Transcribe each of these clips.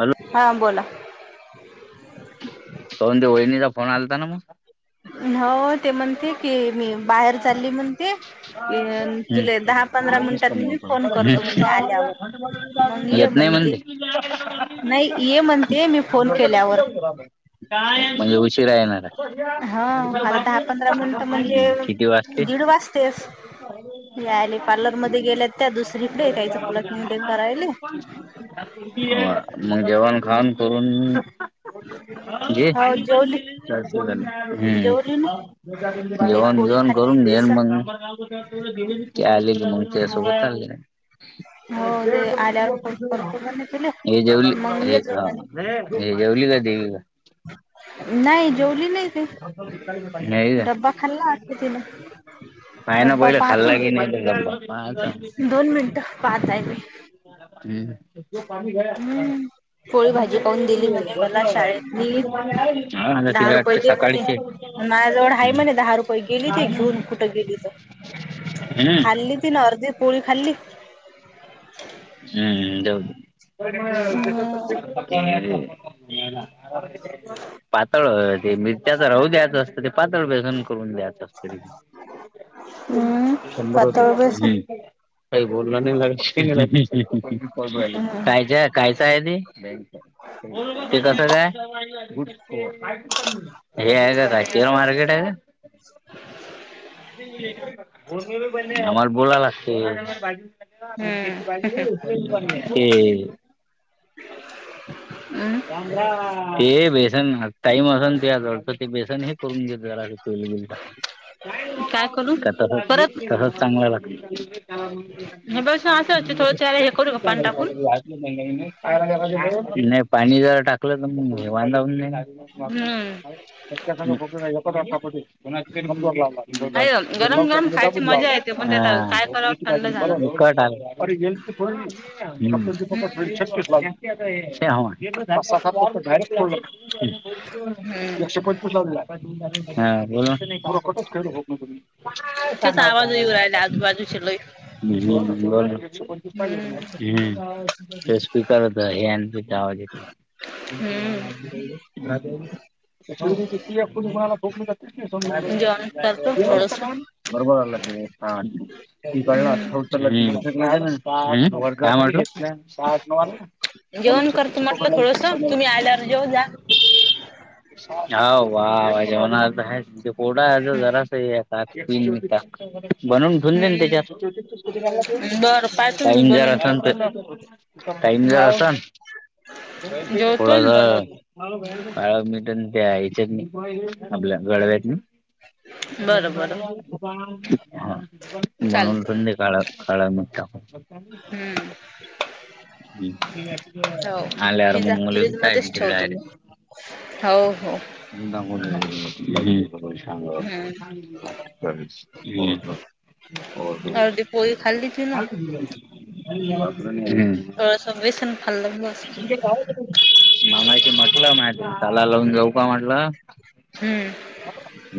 Hello हा बोला तो म्हणते वहिणीचा फोन आलाता ना मग हो ते म्हणते की मी बाहेर चालली म्हणते तुले दहा पंधरा एकच मिनिटात मी कमवतो फोन करतो म्हणते आल्यावर मंग ये येत नाही म्हणते. नही ये म्हणते मी फोन केल्यावर म्हणजे उशीरा येणार हे. हा आता दहा पंधरा मिनिटं म्हणजे किती वाजते दीड वाजतेस. या आले पार्लरमध्ये गेल्यात त्या दुसरीकडे त्याचं प्लकिंग ते करायले. ह मंग जेवान खावान करून. हो पाणी पाणी जेवली खीर [unintelligible] जेवली ना एक पोळी खाल्ली बेसन [unintelligible] ते आलेली म्हून त्या सोबत चाले जाय [unintelligible] हो ते आल्यावर फोन करतो म्हणे तुले हे जेवली मंग हे ये जो हा म्हणे. हे जेवली का देवीका. [inaudible] नाही जेवली नाही ती नाही का? डब्बा खाल्ला वाटत तिनं. पाय ना डब्बा पहिलं पाहतो खाल्ला मी की नाही तो डब्बा पाहायचा. दोन मिनिट पाहतय मी. पाणी गया हम्म पोळी अभी भाजी पाहून दिली भी म्हणे वष मला [unintelligible] शाळेतली ह त सकाळीचे [unintelligible] मायाजवळ आहे म्हणे दहा रुपये गेली ती घेऊन कुठं गेली त. हूं! खाल्ली ती न अर्दी पोळी खाल्ली. ह [unintelligible] हम्म पातळ ते मिरच्याच राहू द्याच. ते पातळ बेसन करून द्यायचं असत. हम्म शंभर होते पातळ बेसन [unintelligible] काही बोलण नाही लाग हम्म काय [unintelligible] कायच आहे ते ते कसं काय [unintelligible] हे आहे का काय शेअर मार्केट आहे का? [inaudible] आमार बोलाल लागते [unintelligible] ते हम्म [unintelligible] हम्म राम राम. ते बेसन टाईम असल तुयाजवळ ते बेसन हे करून घेत जरा तेल बिल टाकून. काय करू तस परत तसच चांगलं लागत हे बस असं थोडं त्याला हे करू का पाणी टाकून [unintelligible] [unintelligible] नाही पाणी जर टाकलं तर मग हे बांधावून जाईल. हम्म कोणास तरी नंबर लाव [unintelligible] अरे गरम [unintelligible] गरम खायची मजा येते पण अरे त्यात काय करावं थंड येलची झालं. फची पकड फ छत्तीस लागली [unintelligible] [unintelligible] हम्म लक्षे पंचवीस लावच खेळूग तुम्ही [unintelligible] का तेच सांगा होता. आवाज येऊ राहिला आजूबाजूचे लई. हि तुम्हाला हम्म [unintelligible] हे स्पीकरच आहे हे आणि तेचा आवाज येत [unintelligible] हम्म जेवण [unintelligible] करतो थोडस. बरोबरला कळलाथो हम्म काय नाही सहाज नववाला न जेवण च करतो म्हटलं चपकडल थोडस सय तुम्ही आल्यावर जेव जा. [unintelligible] हव वा वा जेवणार त आहे ते कोरडा हम्म जरास हे पि [unintelligible] बनून ेऊन दे ना हम्म त्याच्यात बरं पाहतो मी टाईम जरा बनवून असेल ठेवतो. तर [unintelligible] टाईम जर हो असा हो ना जेवतो आणि थोडासा बनवतो. काळ मिट त्या यायच्यात नाही आपल्या गडव्यात नाही [unintelligible] बरं. हा बनून चालत संधी काळ काळ मी टाक हम्म हो आल्यावर पिझ्झा मग मुली फ्रीज मध्येच जाईल ते ठेवतो मी हो हो ांग हम्म [unintelligible] अर्धी पोळी खाल्ली तिनं. हो [unintelligible] स वेसेन पल्लं [unintelligible] म माती म्हटलं माहिती त्याला लावून जाऊ का म्हटलं हम्म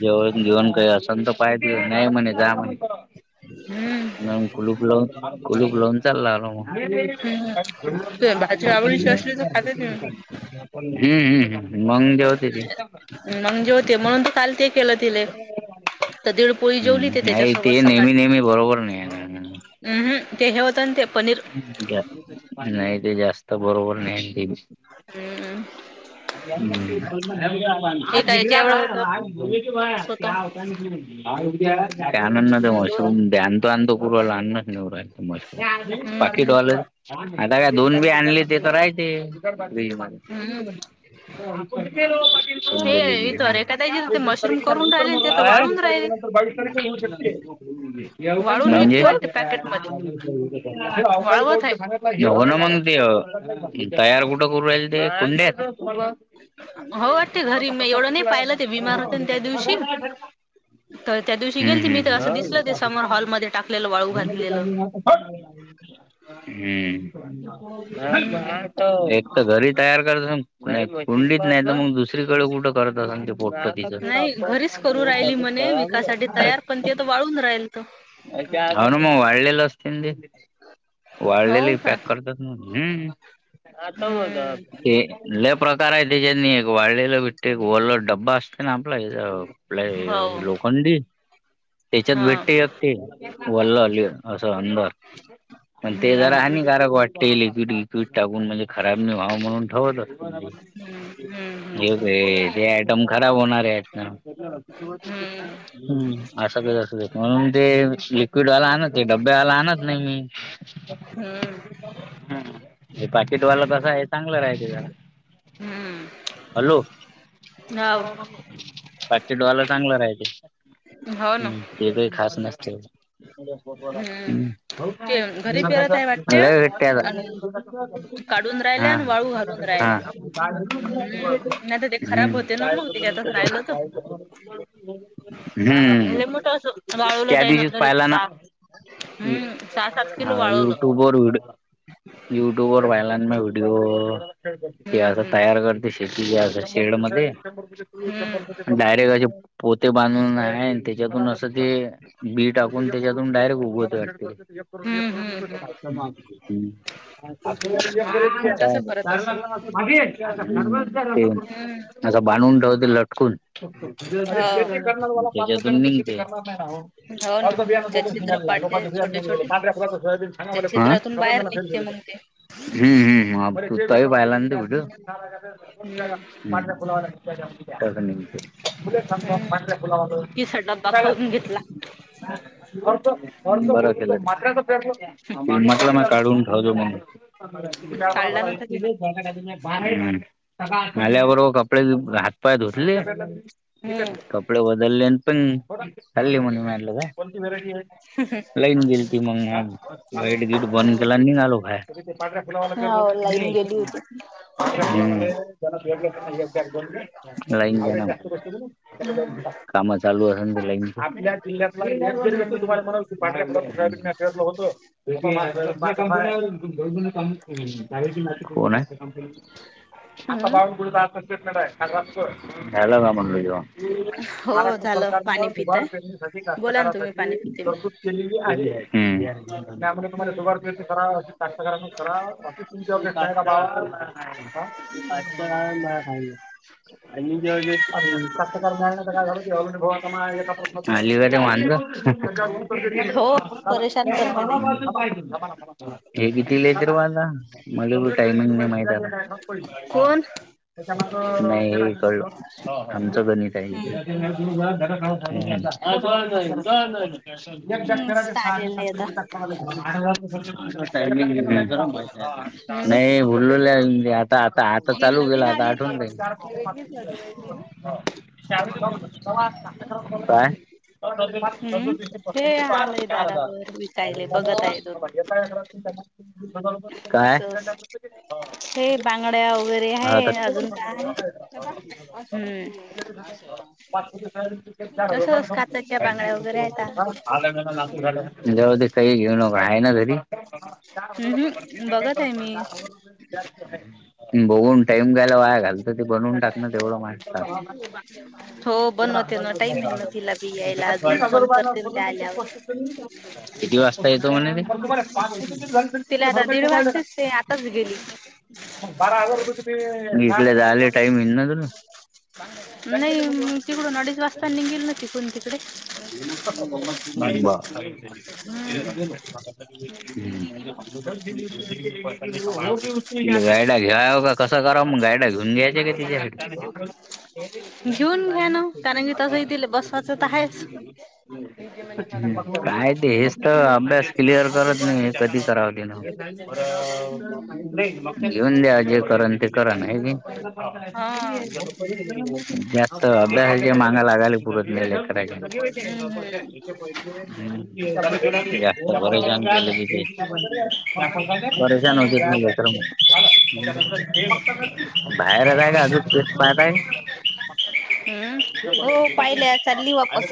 जेवळून घेऊन काही असंत पाय देऊ नाही म्हणे जा म्हणे हम्म म कुलूप लावून कुलूप लावून चाललाल मग हम्म ते भाजी आवडीची असली तर खाते ती हम्म हम्मम मंग देवते ती म्हणजे होते म्हणून त काल ते केलं तिले तर दीड पोळी जेवली ते त्याच्यासोबत सकाळी मी बरोबर नाही हम् हम ते हे होत ते पनीर नाही ते जास्त बरोबर नाही हम्म हम आज बघ काय जेवढं होतं आज बो [unintelligible] ल क [unintelligible] क होत होता धनना दे मशू दोन ध्यान त आणतो पूरवाला अन [unintelligible] न राल म पाकी ॉल हम्म आता काय दोन बी आणले ते तर राहते [unintelligible] [inaudible] ह हो ठ सलीीस इथ रेखा ताईचे ते मशरूम तारखेच्या करून नंतर राहिले आणि ते तर मस वाळून तारखेच्या राहिले नंतर बा ते वाळून म्हणजेवकाळी विकते वाटते पा पॅकेटमध्ये वाळवत आहे सांगेऊ ना मग तयार कुठं करू राल ते कुंड्यात आ हो ते वाटते मला घरी तर मी पठ्ठा एवढं नाही सुधी लागे पाहिलं ते बिमार होते ना त्या दिवशी तर त्या दिवशी गेलती मी तर असं दिसलं ते समोर हॉलमध्ये टाकलेलं वाळू घातलेलं. ह हम्म. हम्म एक तर घरी तयार करत नाही कुंडीच नाही तर मग दुसरीकडे कुठं करत अस ते पोटत नाही घरीच करू अपार्टमंट अळून राहील तो अन मग वाळलेला सतन हो वाळलेल का? पॅक करतात हम्म. आ प्रकार आहे त्याच्यानी एक वाढलेलं भिटत एक रला डबा असतो. ना आपल आपल हो हे लोखंडी त्याच्यात हा भेटते [unintelligible] पण ते जरा हम्म. हानिकारक वाटते लिक्विड विक्विड टाकून म्हणजे खराब नाही व्हनार म्हणून ठेवत असतील ते हम्म हम्म. हे ते जे आयटम खराब होणार आहेत [unintelligible] हम्म हम्म असं कां देत म्हणून ते लिक्विड वाला आणत ते डब्यावाला आणत नाही हम्म. हम हे पाकिटवाला कसा आहे चांगलं राहायते का? हम्म. हॅलो. हाव. पाचे डोळला चांगला राहायते हो ना. हम्म ते का खास नसते हम्म. ते घरी पेरत आहे वाटते. भेट्या आणि काढून राहिल्या हा आणि हम वाळू घालून राहिल्या. हम्म नाही तर ते खराब होते ना मग त्याच्यातच राहिलं तर. [inaudible] लय मोठा अस त्या दिवशीच पाहिला ना, हम्म सहा सात किलो हा वाळवलं. युट्यूब वर व्हिडिओ युट्यूब वर पहिला ना व्हिडिओ ते हम्म असं हम्म तयार करते शेती ज असं शेड मध्ये हम्म डायरेक्ट असे पोते बांधून राहील त्याच्यातून असं ते बी टाकून त्याच्यातून डायरेक्ट उगवत असते हम्म हम्म हम्म [unintelligible] हम्म. तसं करत असंल. [inaudible] हम्म. असं बांधून ठेवते लटकून हो. त्याच्यातून नि हो ना त्या छिद्र पाडते छोटे छोटे त्या छिद्रातून बाहेर निघते मग [unintelligible] ते हम्म तय पाहिला ना तो व्हिडिओ हम्म हम्म पिसा डब्बा खाऊन [unintelligible] [unintelligible] घेतला [unintelligible] बरं केलं म्हटलं मग काढून ठेवतो म्हणून [unintelligible] आपले काढला नव्हता तिनं. हम्म हात पाया धुतले. हम्म क बल ए पंग कल्ली [unintelligible] लाईन गेली ती मग बेट बीट बंद केला निघालो बाहेर हो लाईन गेली होती. [unintelligible] [unintelligible] काम हम्म चालू [unintelligible] जिल्ह्यातला हम्म हम्म. [unintelligible] [unintelligible] [inaudible] हम्म [unintelligible] हो महाराष्ट्र झालं पाणी सरकारनं दभार पिताय फेरणीसाठी बोला ना तुम्ही काष्टतकारासाठी पाणी पिते मी तरतुद केलेली आहे. हम्म त्यामुळे हम्म. तुम्हाला [unintelligible] [unintelligible] [unintelligible] [inaudible] हो [unintelligible] परेशान करते ते. टायमिंग नाहीे कोण? माहित [unintelligible] [unintelligible] हम्म आलेले आता [unintelligible] हम्म. [unintelligible] आता आता आता हे चालू नवीन गेला आता आलेली आठवन आहे वेगळीच वाजवायची ना. राहील [inaudible] हम्म हे आलंय दारावर विकायले बघत आहे दोन. [inaudible] काय? असं हे बांगड्या वगैरे आहे अजून काय हम्म [unintelligible] पाच रिक चार हजारय तसच काचेच्या बांगड्या वगैरे काही आहेत. आ झा जवद काही घेऊनका आहे ना तरी चार हजार हम्म रुये पतीस हम्म रुय बघत फरक आहे पड मी चार हजार रये बघून टाईम घ्यायला वाय घालत ते बनवून टाकण तेवढं मात हो बनवतेना टाइम ह लागत आगरब शोधून त प्रस्तत किती वाजता येतो म्हणे तिला आता दीड वाजतेच ते आताच गेली ब घेतलेले टाईम येई ना तु नाही म तिकडून अडीच वाजता निघेल न त कोण तिकडे [inaudible] गायडा हम्म घ्या का कसं कराव मग गायडा घेऊन घ्यायच्या क [inaudible] घेऊन घ्या ना कारण की तसही दिलं बसाच पण ट्युशनला काय ते पण हेच तर पाहिजे. अभ्यास क्लिअर करत नाही कधी कराव ना घेऊन द्या जे करन ते क ना हा जास्त अभ्यासाची मगा लागाली पुरत गती हम्म हम्म ह जास्त ब ांले हो. तथ परेशान होती तर हम्म म बाहेर आताय का अजूनस् पाहताय हम्म हो पाहिले चालली अ वापस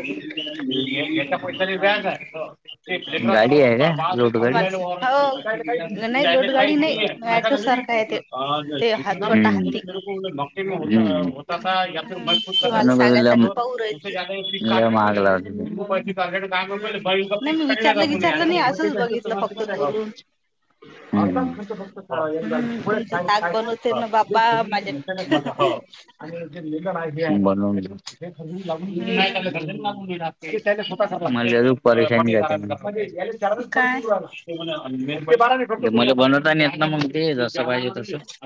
पैरी व्याच आहे गाडी आहे काो तुम्हाला गाडी हो लोटगाडी नाही नाही ऑटो सारखं आहे ते. ते हा छोटा हाती ज मौके होता मजूत कर पौरयती म मागला नाही मी विचारलं विचारलं नाही बा असंच बघितलं फक्त दुरून. बा खक्त हम्म तुमचं ख ताक बनवते ना बाबा खय माझ्या का आणि जे ललं आहे खर् लाून हम्म खर् लाूनणार स्वतः अज परशनी चला काय? म बनता न येत ना मग ते ज स पाहिजे तसं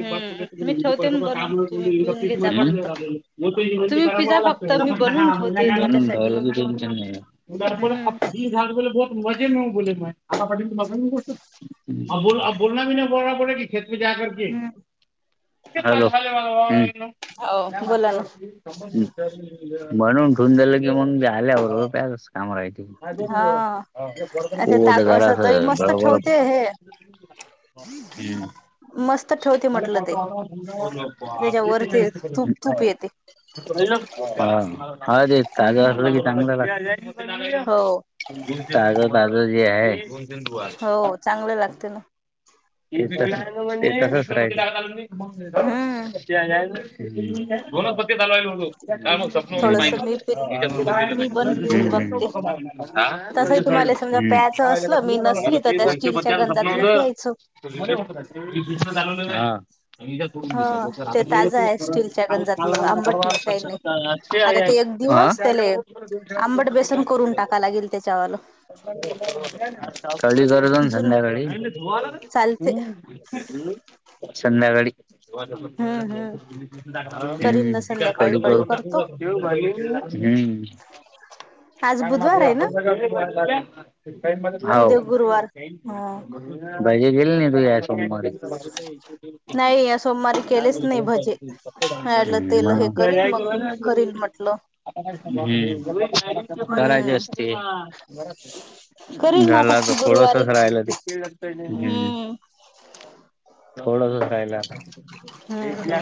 हम्म मी ठेवते ना बनून तुम्ही पिऊन घेजा का फक्त. तुम्ही पिझ्झा मला [inaudible] फक्त मी बनवून ठेवते तुमच्यासाठी हम्म. झा ब बत मज नेऊ बोले म आता पाघ गोष्ट अ बोल बोलना भी नाही बोड बो की खेेते जा कर हम्म. हो बोला ना मान्यावर म्हणून ठुून झालं की मगे आल्या बरोबर प्याच काम राहिते हा आता ट ताक गरा असं दही मस्त गरोब ठेवते हे हम्म मस्त ठेवते म्हटलं मता ते त्याच्यावर ते तूप तूप येते ह हा ते ताजं हम्म. असलं की चांगलं का हो दाज दाज जी आहेु हो चांगलं लागते ना म्हणजे हम्म गनस्पती थोडस मी ला पण मी पण पिऊन काय बघते. तसंही मग् तुम्हाला समजा प्यायचं असलं मी पत्या नसली तर त्या स्टीलच्या गंजातलं स्वपन प्यायचं. होत चाल ह होर ते ताजं आहे स्टीलच्या गंजातलं पवाला आंबट नाही काही नाही ते आता ते एक दिवस त्याले आंबट बेसन करून टाका लागेल त्याच्यावालं कडीर जुन संध्याकाळी चालते संध्याकाळी हम्म हम्म ा करील ना संध्याकाळी कर कडी करतो हम् आज कारण मग बुधवार आहे ना हळ उद्या गुरुवार ह भाजे गेल नाही तू्या सोमवारी नाही या सोमवारी केलेच नाही भजे मिलं तेल हे मग करल मग करील म्हटलं कराजे हम्म असते करील ना आता झाला तर थोडस गुरुवारी राहिलं ते ह् हम्म थोडसच राहिलं आता हम्म हम्म